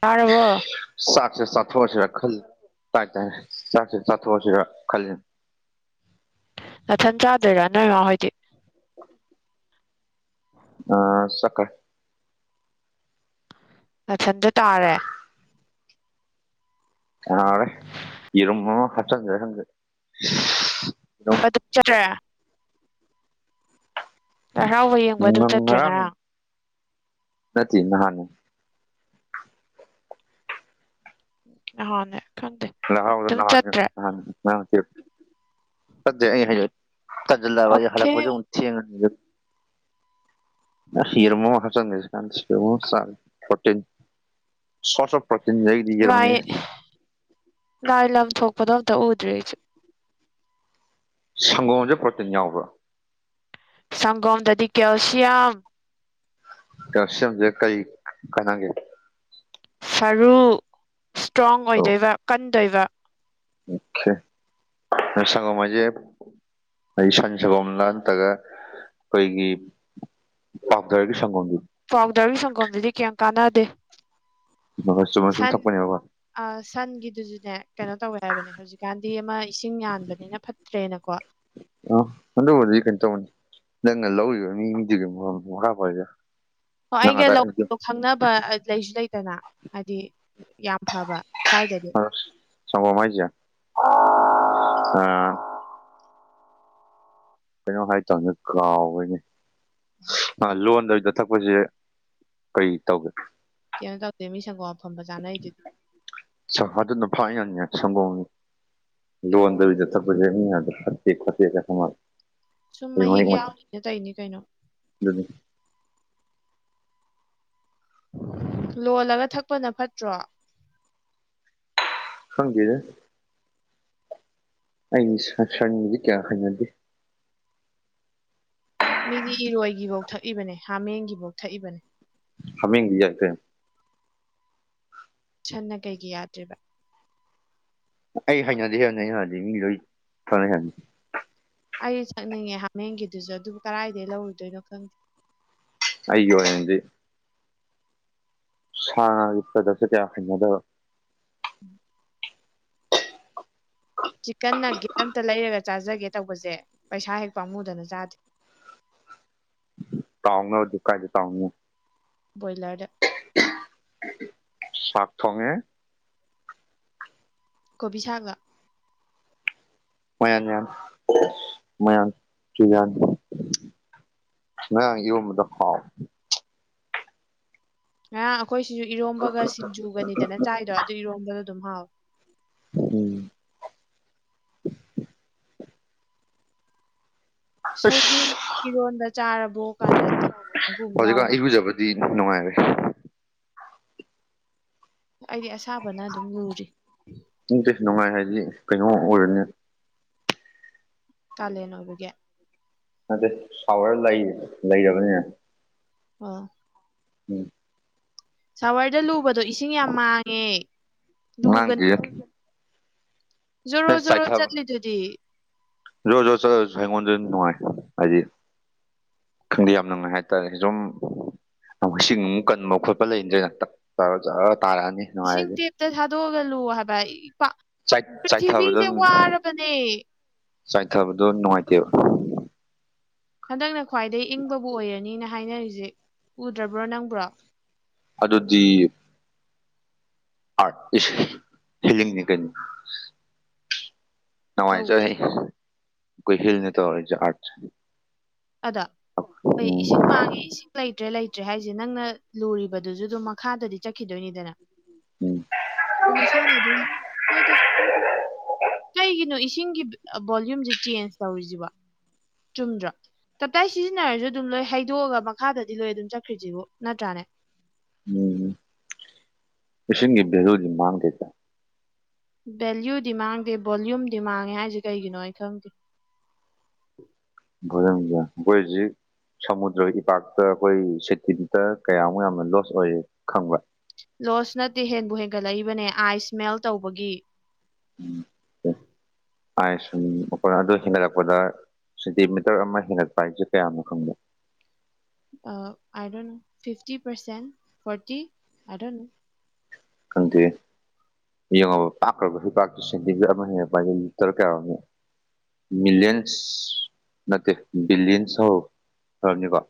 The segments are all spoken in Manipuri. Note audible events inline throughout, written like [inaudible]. ꯇꯥꯔꯕꯣ ꯆꯥꯛꯁꯦ ꯆꯥꯊꯣꯛꯑꯁꯤꯔꯥ ꯈꯜꯂꯤ ꯇꯥꯏ ꯇꯥꯏ ꯆꯥꯛꯁꯦ ꯆꯥꯊꯣꯛꯑꯁꯤꯔꯥ ꯈꯜꯂꯤ ꯅꯊꯟ ꯆꯗꯣꯏꯔꯣ ꯅꯣꯏꯃ ꯍꯣꯏꯗꯤ [inaudible] ꯑꯥ [unintelligible] ꯅꯊꯟꯗ ꯇꯥꯔꯦ [unintelligible] ꯌꯦꯔꯨꯝ ꯍꯧꯔ ꯍꯥꯞꯆꯟꯁꯤꯔ ꯈꯪꯗꯦ ꯌꯦꯔꯨꯝ ꯑꯗꯨ ꯆꯠꯇ꯭ꯔꯦ ꯂꯥꯏ ꯍꯔꯥꯎꯕ ꯌꯦꯡꯕ ꯑꯗꯨꯝ ꯆꯠꯇ꯭ꯔꯦ ꯉꯔꯥꯡ [unintelligible] ꯅꯍꯥꯟꯅꯤ ꯅꯍꯥꯟꯅꯦ ꯈꯪꯗꯦ ꯂꯥꯢ ꯍꯔꯥꯎꯕꯗꯣ ꯑꯗꯨꯝ ꯅꯍꯥꯟꯅꯦꯕ ꯆꯠꯇ꯭ꯔꯦ ꯉꯔꯥꯡ ꯅꯠꯇꯦꯕ ꯅꯠꯇꯦ ꯑꯩꯅ ꯍꯥꯢꯁꯦ ꯇꯟꯖꯜꯑꯕ ꯑꯩꯖꯦ ꯑꯣꯀꯦ ꯍꯜꯂꯛꯄꯁꯦ ꯑꯃꯨꯛ ꯊꯦꯡꯉꯥꯅꯤꯅ ꯑꯁ ꯌꯦꯔꯨꯃ ꯑꯃ ꯍꯥꯞꯆꯟꯒꯦꯁꯦ ꯀꯥꯟꯗꯦꯁꯦ ꯌꯦꯔꯨꯝ ꯑꯃꯇꯥ ꯆꯒꯦ ꯐ꯭ꯔꯣꯇꯤꯟ ꯁꯣꯇꯞ ꯄ꯭ꯔꯣꯇꯤꯟꯗꯩ ꯂꯥꯢ ꯂꯥꯢ ꯂꯝ ꯊꯣꯛꯄꯗꯣ ꯑꯝꯇ ꯎꯗ꯭ꯔꯤ ꯑꯩꯗꯤ ꯁꯪꯒꯣꯝꯖꯦ ꯄ꯭ꯔꯣꯇꯤꯟ ꯌꯥꯎꯕ꯭ꯔꯣ ꯁꯒꯣꯝꯗꯗꯤ ꯀꯦꯜꯁꯤꯌꯝ ꯀꯦꯜꯁꯤꯌꯝꯖꯦ ꯀꯩ ꯀꯅꯥꯒꯤꯅꯣ ꯁꯔꯨ ꯁꯇ꯭ꯔꯣꯡ ꯑꯣꯢꯗꯣꯢꯕ ꯀꯟꯗꯣꯢꯕ ꯑꯣꯈꯦ [unintelligible] ꯍꯥꯢ ꯁꯟ ꯁꯒꯣꯝꯂ ꯅꯠꯇ꯭ꯔꯒ ꯈꯣꯢꯒꯤ ꯄꯥꯥꯎꯗꯔꯒꯤ ꯁꯪꯒꯣꯝꯗꯤ ꯄꯥꯎꯗꯔꯒꯤ ꯁꯪꯒꯣꯝꯗꯨꯗꯤ ꯀꯦꯝ ꯀꯥꯟꯅꯗꯦ ꯃꯒꯥ ꯆꯨꯝꯅꯁꯨꯝ ꯊꯛꯄꯅꯦꯕꯀꯣ ꯑꯥ ꯁꯟꯒꯤꯗꯨꯖꯨꯅꯦ ꯀꯩꯅꯣ ꯇꯧꯋꯦ ꯍꯥꯢꯕꯅꯦ ꯍꯧꯖꯤꯛꯀꯥꯟꯗꯤ ꯑꯃ ꯏꯁꯤꯡ ꯌꯥꯟꯕꯅꯤꯅ ꯐꯠ ꯇ꯭ꯔꯦꯅꯀꯣ ꯑꯣ ꯑꯗꯨꯕꯨꯗꯤ ꯀꯩꯅꯣ ꯇꯧꯕꯅꯤ ꯅꯪꯅ ꯂꯧꯔꯤꯕ ꯃꯤꯗꯨꯒꯤ ꯃ ꯃꯈꯥ ꯄꯣꯜꯂꯤꯗ ꯍꯣ ꯅꯪ ꯑꯩꯒ ꯉꯁꯥꯏ ꯂꯧꯗꯣ ꯈꯪꯅꯕ ꯑꯠ ꯂꯩꯁꯨ ꯂꯩꯇꯅ ꯍꯥꯢꯗꯤ ꯌꯥꯝ ꯐꯕ ꯁ꯭ꯋꯥꯢꯗꯗꯤ ꯑꯁ ꯁꯪꯒꯣꯝꯂꯣ ꯍꯥꯢꯖꯦ [unintelligible] ꯑꯥ ꯀꯩꯅꯣ ꯍꯥꯢꯇꯧꯅꯤ ꯀꯥꯎꯕꯩꯅꯦ ꯑꯥ ꯂꯣꯟꯗꯕꯤꯗꯥ ꯊꯛꯄꯖꯦ ꯀꯩ ꯇꯧꯒꯦ ꯀꯩꯝ ꯇꯧꯗꯦ ꯃꯤ ꯁꯪꯒꯣꯝ ꯑꯐꯝꯕ ꯆꯥꯅꯩꯗꯨꯗꯤ ꯆꯍꯥꯗꯨꯅ ꯐꯥꯢ ꯌꯥꯅꯤ ꯁꯪꯒꯣꯝ ꯂꯣꯟꯗꯕꯤꯗ ꯊꯄꯖꯦ ꯃꯤꯅꯥ ꯌꯥꯗꯦ ꯐꯠꯇꯦ ꯈꯣꯠꯇꯦꯒ ꯇꯧꯃꯥꯜꯂꯤ ꯁꯨꯝ ꯃꯍꯤꯛ ꯌꯥꯎꯅꯤꯅ ꯇꯩꯏꯅꯤ ꯀꯩꯅꯣ ꯗꯨꯅꯤ ꯂꯣꯜꯂꯒ ꯊꯛꯄꯅ ꯐꯠꯇ꯭ꯔꯣ ꯈꯪꯗꯦꯗꯥ ꯑꯩ ꯁꯥꯁꯟꯒꯤꯗꯤ ꯀꯌꯥ ꯍꯩꯅꯗꯦ ꯃꯤꯗꯤ ꯏꯔꯣꯢꯒꯤꯕꯧ ꯊꯛꯏꯕꯅꯦ ꯍꯥꯃꯦꯡꯒꯤꯕꯧ ꯊꯛꯏꯕꯅꯦ ꯍꯥꯃꯦꯡꯒꯤ ꯌꯥꯢ ꯀꯩꯅꯣ ꯁꯟꯅ ꯀꯩꯒꯤ ꯌꯥꯗ꯭ꯔꯤꯕ ꯑꯩ ꯍꯩꯅꯗꯦ ꯍꯥꯢꯕꯅꯦ ꯑꯩꯅꯥ ꯍꯥꯢꯗꯤ ꯃꯤ ꯂꯣꯢ ꯐꯔꯦ ꯍꯥꯢꯅꯤ ꯑꯩ ꯆꯠꯅꯤꯡꯉꯦ ꯍꯥꯃꯦꯡꯒꯤꯗꯨꯁꯨ ꯑꯗꯨꯕꯨ ꯀꯔꯥꯢꯗꯩ ꯂꯧꯔꯨꯗꯨꯢꯅꯣ ꯈꯪꯗꯦ ꯑꯩꯒꯤ ꯑꯣꯢꯅꯗꯤ ꯁꯥ ꯉꯥꯒꯤ ꯄ꯭ꯔꯗꯛꯁꯦ ꯀꯌꯥ ꯍꯩꯅꯗꯕ ꯎꯝ ꯆꯤꯛꯀꯟꯅ ꯒꯤꯞ ꯑꯝꯇ ꯂꯩꯔꯒ ꯆꯥꯖꯒꯦ ꯇꯧꯕꯖꯦ ꯄꯩꯁꯥ ꯍꯦꯛ ꯄꯥꯃꯨꯗꯅ ꯆꯥꯗꯦ ꯇꯥꯎꯅꯕꯗꯤ ꯀꯥꯢꯗꯩ ꯇꯥꯎꯅꯤ ꯕꯣꯢꯂꯔꯗ ꯁꯥꯛ ꯊꯣꯡꯉꯦ ꯀꯣꯕꯤ ꯁꯥꯛꯂꯣ ꯃꯌꯥꯟ ꯃꯌꯥꯟ ꯃꯌꯥꯟ ꯇꯨꯌꯥꯟ ꯉꯔꯥꯡ ꯏꯔꯣꯝꯕꯗꯣ ꯍꯥꯎ ꯉꯔꯥꯡ ꯑꯩꯈꯣꯢꯁꯤꯖꯨ ꯏꯔꯣꯝꯕꯒ ꯁꯤꯟꯖꯨꯒꯅꯤꯗꯅ ꯆꯥꯢꯗꯣ ꯑꯗꯨ ꯏꯔꯣꯝꯕꯗꯣ ꯑꯗꯨꯝ ꯍꯥꯎꯢ ꯎꯝ ꯁꯧꯒ꯭ꯔꯤ ꯑꯁ ꯏꯔꯣꯟꯕ ꯆꯥꯔꯕꯣ ꯀꯥꯏꯅ ꯇꯧꯕꯒꯨꯝ ꯌꯥꯎꯔꯤ꯫ ꯄꯤ [unintelligible] ꯅꯨꯡꯉꯥꯏꯔꯦ꯫ ꯑꯩꯗꯤ ꯑꯁꯥꯕꯅ ꯑꯗꯨꯝ ꯂꯨꯔꯤ꯫ ꯅꯥꯇꯦ ꯅꯨꯡꯉꯥꯏ ꯍꯥꯏꯕꯗꯤ ꯀꯩꯅꯣ ꯑꯣꯏꯔꯅꯤ꯫ ꯀꯥꯂꯦꯟ ꯑꯣꯏꯕꯒꯤ꯫ ꯅꯠꯇꯦ ꯁꯥꯋꯔ ꯂꯩ ꯂꯩꯔꯕꯅꯤꯅ꯫ ꯑꯥ ꯎꯝ ꯁꯥꯋꯔꯗ ꯂꯨꯕꯗꯣ ꯏꯁꯤꯡ ꯌꯥꯝ ꯃꯥꯡꯉꯦ꯫ ꯂꯨꯒꯅꯨ ꯃꯥꯡꯗꯦ꯫ ꯖꯣꯔꯣ ꯖꯣꯔꯣ ꯆꯥꯏꯊꯕ ꯆꯠꯂꯤꯗꯨꯗꯤ꯫ ꯖꯣ ꯖꯣ ꯆꯠꯂꯁꯨ ꯑꯩꯉꯣꯟꯗ ꯅꯨꯡꯉꯥꯏ ꯍꯥꯏꯗꯤ, ꯈꯪꯗꯦ ꯌꯥꯝ ꯅꯨꯡꯉꯥꯏ ꯍꯥꯏꯇꯥꯔꯦ ꯖꯨꯝ ꯏꯁꯤꯡ ꯑꯃꯨꯛ ꯀꯟꯕ ꯈꯣꯠꯄ ꯂꯩꯗ꯭ꯔꯦꯗꯅ ꯇꯛꯇꯔ ꯖꯔ ꯖꯔ ꯇꯥꯔꯛꯑꯅꯤ꯫ ꯏꯁꯤꯡ ꯅꯨꯡꯉꯥꯏꯔꯗꯤ ꯇꯦꯞꯇ ꯊꯥꯗꯣꯛꯑꯒ ꯂꯨ ꯍꯥꯏꯕ ꯆꯥꯏ ꯆꯥꯏꯊꯕꯗꯣ ꯄ꯭ꯔꯤꯊꯤꯕꯤꯁꯦ ꯋꯥꯔꯕꯅꯦ꯫ ꯆꯥꯏꯊꯕꯗꯣ ꯅꯨꯡꯉꯥꯏꯇꯦꯕ꯫ ꯍꯟꯗꯛꯅ ꯈ꯭ꯋꯥꯏꯗꯒꯤ ꯏꯪꯕꯕꯨ ꯑꯣꯏꯔꯅꯤꯅ ꯍꯥꯏꯅꯔꯤꯁꯦ ꯎꯗ꯭ꯔꯕ꯭ꯔꯣ ꯅꯪꯕ꯭ꯔꯣ꯫ ꯍꯥꯏꯗꯨꯗꯤ, ꯑꯥꯔꯠꯇꯤꯁꯤ ꯍꯤꯂꯤꯡꯅꯤ ꯀꯩꯅꯣ꯫ ꯇꯧꯕ ꯅꯨꯡꯉꯥꯏꯖꯅꯤ ꯀꯣꯏ ꯍꯤꯜꯅ ꯇꯧꯔꯤꯅꯦ ꯑꯥꯔꯠꯁꯦ꯫ ꯑꯗꯣ ꯑꯩ ꯏꯁꯤꯡ ꯃꯥꯡꯉꯦ ꯏꯁꯤꯡ ꯂꯩꯇ꯭ꯔꯦ ꯂꯩꯇ꯭ꯔꯦ ꯍꯥꯏꯁꯦ ꯅꯪꯅ ꯂꯨꯔꯤꯕꯗꯨꯁꯨ ꯑꯗꯨꯝ ꯃꯈꯥꯗꯗꯤ ꯆꯠꯈꯤꯗꯣꯏꯅꯤꯗꯅ꯫ ꯎꯝ ꯑꯗꯨ ꯃꯁꯥꯅ ꯑꯗꯨꯝ ꯍꯣꯏꯗ꯫ ꯀꯩꯒꯤꯅꯣ ꯏꯁꯤꯡꯒꯤ ꯚꯣꯂ꯭ꯌꯨꯝꯁꯦ ꯆꯦꯟꯖ ꯇꯧꯔꯤꯁꯤꯕꯣ ꯆꯨꯝꯗ꯭ꯔꯥ꯫ ꯇꯞꯇꯥꯏ ꯁꯤꯖꯤꯟꯅꯔꯁꯨ ꯑꯗꯨꯝ ꯂꯣꯏ ꯍꯩꯗꯣꯛꯑꯒ ꯃꯈꯥꯗꯗꯤ ꯂꯣꯏ ꯑꯗꯨꯝ ꯆꯠꯈ꯭ꯔꯤꯁꯤꯕꯨ ꯅꯠꯇ꯭ꯔꯥꯅꯦ꯫ ꯎꯝ ꯏꯁꯤꯡꯒꯤ ꯚꯦꯂꯨꯗꯤ ꯃꯥꯥꯡꯗꯦꯗ꯫ ꯚꯦꯂꯌꯨꯗꯤ ꯃꯥꯡꯗꯦ ꯚꯣꯂ꯭ꯌꯨꯝꯗꯤ ꯃꯥꯡꯉꯦ ꯍꯥꯏꯁꯦ ꯀꯩꯒꯤꯅꯣ ꯑꯩ ꯈꯪꯗꯦ꯫ [unintelligible] ꯀꯣꯏꯖꯤꯛ ꯁꯃꯨꯗ꯭ꯔꯒꯤ ꯏꯄꯥꯛꯇ ꯑꯩꯈꯣꯏ ꯁꯦꯟꯇꯤꯃꯤꯇꯔ ꯀꯌꯥꯃꯨꯛ ꯌꯥꯝꯅ ꯂꯣꯁ ꯑꯣꯏꯌꯦ ꯈꯪꯕ꯭ꯔꯥ? ꯂꯣꯁ ꯅꯠꯇꯦ ꯍꯦꯟꯕꯨ ꯍꯦꯟꯒꯠꯂꯛꯏꯕꯅꯦ ꯑꯥꯏꯁ ꯃꯦꯜ ꯇꯧꯕꯒꯤ꯫ [inaudible] ꯑꯥꯏꯁ ꯁꯨꯝ ꯑꯣꯄꯔꯗ ꯍꯦꯟꯗꯔꯛꯄꯗ, ꯁꯦꯟꯇꯤꯃꯤꯇꯔ ꯑꯃ ꯍꯦꯟꯒꯠꯄ ꯍꯥꯏꯁꯦ ꯀꯌꯥꯅꯣ ꯈꯪꯕ꯭ꯔꯥ? ꯑꯥ I don't know fifty percent, forty I don't know. ꯈꯪꯗꯦ꯫ ꯌꯦꯡꯉꯣꯕ ꯄꯥꯛꯈ꯭ꯔꯕ ꯏꯄꯥꯛ ꯁꯦꯟꯇꯤꯃꯤꯇꯔ ꯑꯃ ꯍꯦꯟꯒꯠꯄ ꯍꯥꯏꯒꯦ ꯄꯤꯇꯔ ꯀꯌꯥ ꯑꯣꯏꯔꯝꯅꯤ꯫ ꯃꯤꯂꯤꯌꯟꯁ ꯅꯠꯇꯦ ꯕꯤꯂꯤꯌꯟꯁꯔ ꯑꯣꯏꯔꯝꯅꯤꯀꯣ꯫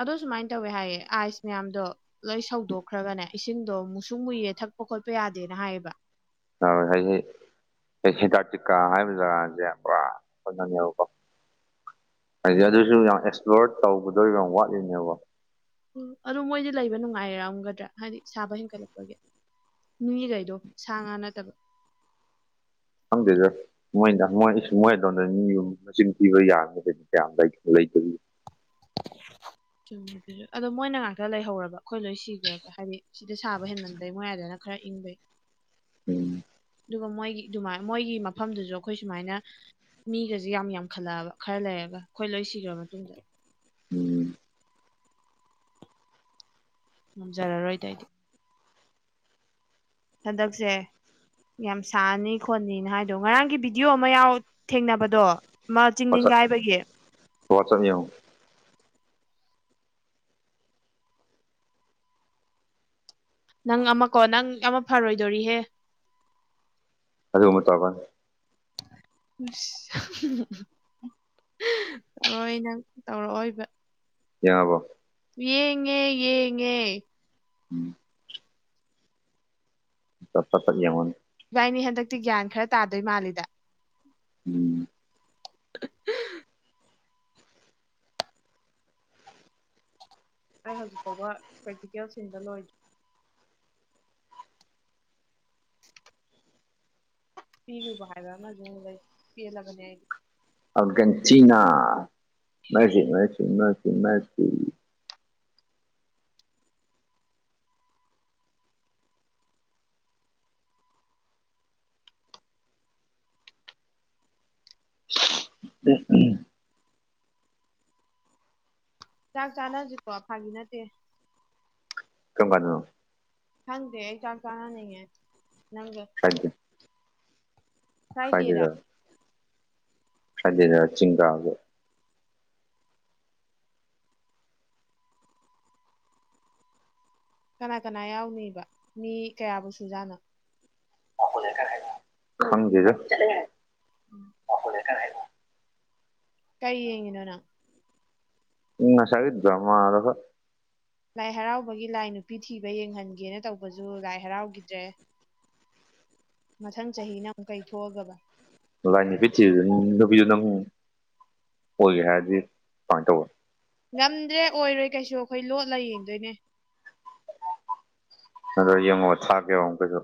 ꯑꯗꯣ ꯁꯨꯃꯥꯏꯅ ꯇꯧꯋꯦ ꯍꯥꯏꯌꯦ ꯑꯥꯏꯁ ꯃꯌꯥꯝꯗꯣ, ꯂꯣꯏ ꯁꯧꯗꯣꯛꯈ꯭ꯔꯕꯅꯦ ꯏꯁꯤꯡꯗꯣ ꯃꯨꯁꯨꯛ ꯃꯨꯏꯌꯦ ꯊꯛꯄ ꯈꯣꯠꯄ ꯌꯥꯗꯦꯅ ꯍꯥꯏꯌꯦꯕ꯫ ꯌꯥꯔꯣꯏꯍꯦ ꯑꯗꯨꯗꯤ꯫ ꯑꯦꯟꯇꯥꯔꯇꯤꯀꯥ ꯍꯥꯏꯕꯔꯤꯕ ꯖꯒꯥꯁꯦ ꯄꯨꯔꯥ [unintelligible] ꯍꯥꯏꯗꯤ ꯑꯗꯨꯁꯨ ꯌꯥꯝ ꯑꯦꯛꯁꯄ꯭ꯂꯣꯔ ꯇꯧꯕꯗꯣ ꯌꯥꯝ ꯋꯥꯠꯂꯤꯅꯦꯕ꯫ ꯑꯗꯨ ꯃꯣꯏꯗꯤ ꯂꯩꯕ ꯅꯨꯡꯉꯥꯏꯔꯝꯒꯗ꯭ꯔꯥ ꯍꯥꯏꯗꯤ ꯏꯁ ꯁꯥꯥꯕ ꯍꯦꯟꯒꯠꯂꯛꯄꯒꯤ꯫ ꯃꯤ ꯂꯩꯗꯣ ꯁꯥ-ꯉꯥ ꯅꯠꯇꯕ꯫ ꯈꯪꯗꯦꯗ꯫ ꯃꯣꯏꯅ ꯃꯣꯏ ꯃꯣꯏ ꯑꯗꯣꯝꯗ ꯃꯤ ꯌꯨꯝ ꯃꯁꯤꯡ ꯊꯤꯕ ꯌꯥꯗꯕꯗꯤ ꯀ꯭ꯌꯥꯝ ꯂꯩ ꯂꯩ [unintelligible] ꯆꯨꯝꯃꯤ ꯑꯗꯨꯁꯨ ꯑꯗꯣ ꯃꯣꯏꯅ ꯉꯥꯛꯇ ꯂꯩꯍꯧꯔꯕ ꯑꯈꯣꯏ ꯂꯣꯏ ꯁꯤꯒ꯭ꯔꯒ ꯍꯥꯏꯗꯤ ꯁꯤꯗ ꯁꯥꯕ ꯍꯦꯟꯃꯟꯗꯩ ꯃꯣꯏꯑꯥꯗꯅ ꯈꯔ ꯏꯪꯕꯩ ꯎꯝ ꯑꯗꯨꯒ ꯃꯣꯏꯒꯤꯗꯨꯃꯥꯏ ꯃꯣꯏꯒꯤ ꯃꯐꯝꯗꯨꯁꯨ ꯑꯩꯈꯣꯏ ꯁꯨꯃꯥꯏꯅ ꯃꯤꯒꯁꯦ ꯌꯥꯝ ꯌꯥꯝꯈꯠꯂꯛꯑꯕ ꯈꯔ ꯂꯩꯔꯒ ꯑꯈꯣꯏ ꯂꯣꯏ ꯁꯤꯒ꯭ꯔ ꯃꯇꯨꯡꯗ ꯎꯝ ꯉꯝꯖꯔꯔꯣꯏꯗ ꯑꯩꯗꯤ ꯍꯟꯗꯛꯁꯦ ꯌꯥꯝ ꯁꯥꯅꯤ ꯈꯣꯠꯅꯤꯅ ꯍꯥꯏꯗꯣ ꯉꯔꯥꯡꯒꯤ ꯚꯤꯗꯤꯑꯣ ꯑꯃ ꯌꯥꯎ ꯊꯦꯡꯅꯕꯗꯣ ꯃꯥ ꯆꯤꯡ ꯋꯥꯆꯞ ꯅꯤꯡꯒꯥꯏꯕꯒꯤ ꯋꯥꯆꯞ ꯌꯦꯡꯉꯣ ꯅꯪ ꯑꯃꯀꯣ ꯅꯪ ꯑꯃ ꯐꯔꯣꯏꯗꯣꯔꯤꯍꯦ ꯑꯗꯨꯝꯕ ꯇꯧꯔꯛꯀꯟ [unintelligible] [unintelligible] ꯇꯧꯔꯛꯑꯣꯏ ꯅꯪ ꯇꯧꯔꯛꯑꯣꯏꯕ ꯌꯥꯕ꯭ꯔꯣ ꯌꯦꯡꯉꯦ ꯌꯦꯡꯉꯦ ꯎꯝ ꯆꯞ [unintelligible] ꯌꯦꯛꯉꯣꯅꯦ ꯏꯚꯥꯏꯅꯤ ꯍꯟꯗꯛꯇꯤ ꯒ꯭ꯌꯥꯟ ꯈꯔ ꯇꯥꯗꯣꯏ ꯃꯥꯜꯂꯤꯗ ꯎꯝ ꯑꯩ ꯍꯧꯖꯤꯛ ꯐꯥꯎꯕ ꯄ꯭ꯔꯦꯛꯇꯤꯀꯦꯜ ꯁꯤꯟꯕ ꯂꯣꯏ꯭ꯗ꯭ꯔꯤ ꯄꯤꯔꯨꯕ ꯍꯥꯏꯕ ꯑꯃꯖꯨ ꯑꯃꯨꯛ ꯂꯩ ꯄꯦꯜꯂꯕꯅꯦ Argentina Messi Messi Messi Messi [unintelligible] ꯆꯥꯛ ꯆꯥꯅꯁꯤꯀꯣ ꯐꯥꯒꯤ ꯅꯠꯇꯦ ꯀꯝꯀꯥꯟꯗꯅꯣ ꯈꯪꯗꯦ ꯑꯩ ꯆꯥꯛ ꯆꯥꯅꯅꯤꯡꯉꯦ ꯅꯪꯒ ꯐ꯭ꯔꯥꯢꯗꯦ ꯐ꯭ꯔꯥꯏꯗꯦꯗ ꯐ꯭ꯔꯥꯢꯗꯦꯗ ꯆꯤꯡꯗꯥꯝꯒꯤ ꯀꯅꯥ ꯀꯅꯥ ꯌꯥꯎꯅꯤꯕ ꯃꯤ ꯀꯌꯥꯕꯨ ꯁꯨꯖꯥꯠꯅꯣ [unintelligible] ꯈꯪꯗꯦꯗ [unintelligible] ꯀꯩ ꯌꯦꯡꯉꯤꯅꯣꯅꯪ ꯉꯁꯥꯏꯗꯩ ꯗ꯭ꯔꯃꯥ [unintelligible] ꯂꯥꯏ ꯍꯔꯥꯎꯕꯒꯤ ꯂꯥꯏ ꯅꯨꯄꯤ ꯊꯤꯕ ꯌꯦꯡꯍꯟꯒꯦꯅ ꯇꯧꯕꯁꯨ ꯂꯥꯏ ꯍꯔꯥꯎꯒꯤꯗ꯭ꯔꯦ ꯃꯊꯪ ꯆꯍꯤꯅ ꯑꯃꯨꯛ ꯀꯩꯊꯣꯛꯑꯒꯕ ꯂꯥꯏ ꯅꯨꯄꯝ ꯊꯤꯕꯗ ꯅꯨꯄꯤꯗꯨ ꯅꯪ ꯑꯣꯏꯒꯦ ꯍꯥꯏꯔꯗꯤ ꯀꯃꯥꯏꯟ ꯇꯧꯕ ꯉꯝꯗ꯭ꯔꯦ ꯑꯣꯏꯔꯣꯏ ꯀꯩꯁꯨ ꯑꯈꯣꯏ ꯂꯣꯠꯂ ꯌꯦꯡꯗꯣꯏꯅꯦ ꯑꯗꯣ ꯌꯦꯡꯉꯣ ꯊꯥꯛꯀꯦꯕ ꯑꯃꯨꯛꯀꯁꯨ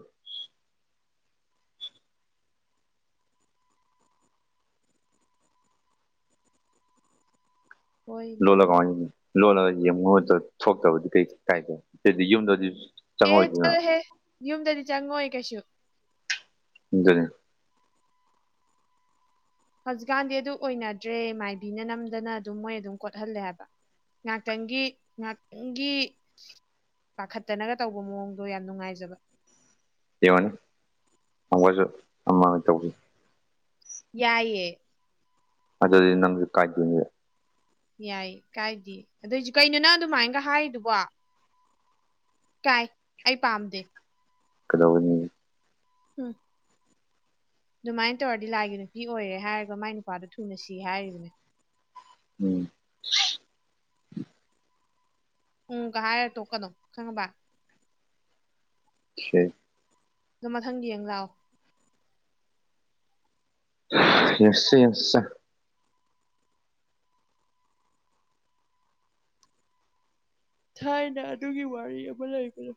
ꯍꯣꯏꯅꯦ ꯂꯣꯠꯂꯒ ꯀꯃꯥꯏ ꯂꯣꯠꯂꯒ ꯌꯦꯡꯉꯨ [unintelligible] ꯊꯣꯛꯇꯕꯗꯤ ꯀꯩ ꯀꯥꯏꯒꯦ ꯑꯗꯤ ꯌꯨꯝꯗꯗꯤ ꯑꯦ ꯆꯪꯉꯛꯑꯣꯏꯗꯅ ꯆꯠꯂꯍꯦ ꯌꯨꯝꯗꯗꯤ ꯆꯪꯉꯣꯏ ꯀꯩꯁꯨ ꯑꯗꯨꯅꯤ ꯍꯧꯖꯤꯛꯀꯥꯟꯗꯤ ꯑꯗꯨ ꯑꯣꯏꯅꯗ꯭ꯔꯦ ꯃꯥꯏꯕꯤꯅ ꯅꯝꯗꯅ ꯑꯗꯨꯝ ꯃꯣꯏ ꯑꯗꯨꯝ ꯀꯣꯠꯍꯜꯂꯦ ꯍꯥꯏꯕ ꯉꯥꯛꯇꯪꯒꯤ ꯉꯥꯛꯇꯪꯒꯤ ꯄꯥꯈꯠꯇꯅꯒ ꯇꯧꯕ ꯃꯑꯣꯡꯗꯣ ꯌꯥꯝ ꯅꯨꯡꯉꯥꯏꯖꯕ ꯌꯦꯡꯉꯨꯅꯦ ꯑꯃꯨꯛꯀꯁꯨ ꯑꯃ ꯇꯧꯅꯤ ꯌꯥꯏꯌꯦ ꯑꯗꯨꯗꯤ ꯅꯪꯁꯨ ꯀꯥꯏꯗꯣꯏꯅꯤ ꯌꯥꯏ ꯀꯥꯏꯗꯦ ꯑꯗꯨꯏꯁꯨ ꯀꯩꯅꯣ ꯅꯪ ꯑꯗꯨꯃꯥꯏꯟꯒ ꯍꯥꯏꯗꯨꯕꯣ ꯀꯥꯏ ꯑꯩ ꯄꯥꯝꯗꯦ ꯀꯩꯗꯧꯒꯅꯤ [unintelligible] ꯑꯗꯨꯃꯥꯏꯅ ꯇꯧꯔꯗꯤ ꯂꯥꯏꯒꯤ ꯅꯨꯄꯤ ꯑꯣꯏꯔꯦ ꯍꯥꯏꯔꯒ ꯃꯥꯏ ꯅꯨꯄꯥꯗꯨ ꯊꯨꯅ ꯁꯤ ꯍꯥꯏꯔꯤꯕꯅꯦ ꯎꯝ ꯎꯝꯒ ꯍꯥꯏꯔ ꯇꯣꯛꯀꯅꯣ ꯈꯪꯑꯥꯕ [unintelligible] ꯑꯗꯣ ꯃꯊꯪ ꯌꯦꯡ ꯂꯥꯛꯑꯣ ꯑꯩꯁꯨ ꯌꯦꯡꯁꯤ ꯌꯦꯡꯁꯤ ꯊꯥꯏꯅ ꯑꯗꯨꯒꯤ ꯋꯥꯔꯤ ꯑꯃ ꯂꯩꯕꯅꯤꯥ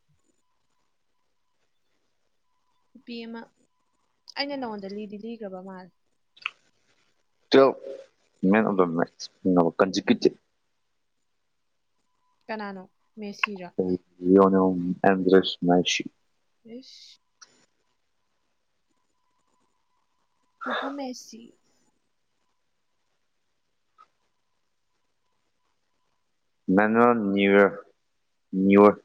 ꯅꯨꯄꯤ ꯑꯃ ꯑꯩꯅ ꯅꯉꯣꯟꯗ ꯂꯤꯗꯤ ꯂꯤꯈ꯭ꯔꯕ ꯃꯥꯜꯂꯦ ꯑꯗꯣ ꯃꯦꯟ ꯑꯣꯐ ꯗꯤ ꯃꯦꯠꯆꯁ ꯅꯣ ꯀꯟꯖꯤꯀ꯭ꯌꯨꯇꯤꯚ ꯀꯅꯥꯅꯣ ꯃꯦꯁꯤꯔꯣ ꯂꯤꯌꯣꯅꯦꯜ ꯑꯦꯟꯗ꯭ꯔꯦꯁ ꯃꯦꯁꯤ ꯏꯁ ꯄꯨꯄꯨ Messi Manuel Neuer Neuer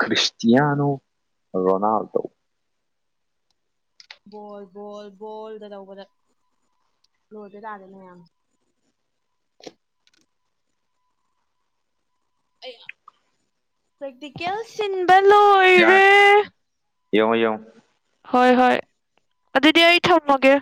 Cristiano Ronaldo ball ball ꯕꯣꯜꯗ ꯇꯧꯕꯗ ꯂꯣꯏꯕ ꯇꯥꯔꯦꯅꯦ ꯃꯌꯥꯝ ꯑꯩꯌꯥ ꯄꯔꯦꯛꯇꯤꯀꯦꯜ ꯁꯤꯟꯕ ꯂꯣꯏ ꯌꯥꯔꯦ ꯌꯦꯡꯑꯣ ꯌꯦꯡꯑꯣ ꯍꯣꯏ ꯍꯣꯏ ꯑꯗꯨꯗꯤ ꯑꯩ ꯊꯝꯃꯒꯦ